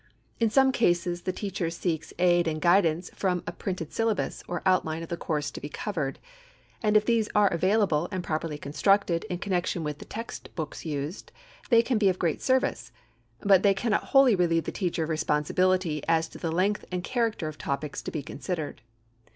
In some cases the teacher seeks aid and guidance from a printed syllabus or outline of the course to be covered, and if these are available and properly constructed in connection with the text books used, they can be of great service, but they cannot wholly relieve the teacher of responsibility as to the length and character of topics to be considered.